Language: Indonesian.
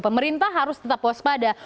pemerintah harus tetap waspada